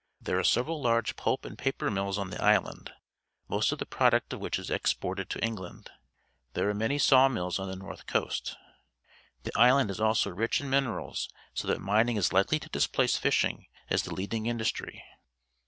There are several large pulp and paper mills on the island, most of the product of which is exported to England. There are many saw mills on the north coast. The island is also rich in miojerals,^ that mining is likely to displace fishing as the leading industry.